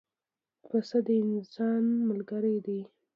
پسه د انسان ملګری دی.